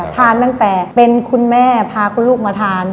ทานตั้งแต่เป็นคุณแม่พาคุณลูกมาทาน